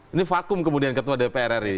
ini vakum kemudian ketua dpr ri